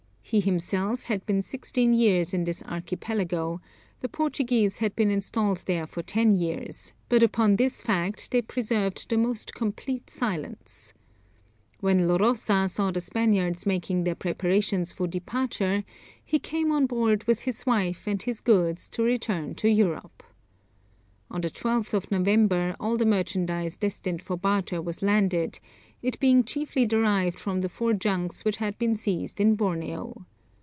He himself had been sixteen years in this Archipelago; the Portuguese had been installed there for ten years, but upon this fact they preserved the most complete silence. When Lorosa saw the Spaniards making their preparations for departure, he came on board with his wife and his goods to return to Europe. On the 12th of November all the merchandise destined for barter was landed, it being chiefly derived from the four junks which had been seized in Borneo.